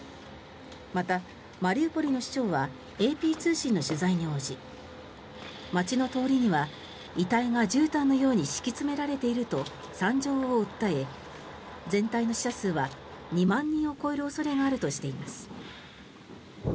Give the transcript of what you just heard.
また、マリウポリの市長はＡＰ通信の取材に応じ街の通りには遺体がじゅうたんのように敷き詰められていると惨状を訴え全体の死者数は２万人を超える恐れがあるとしています。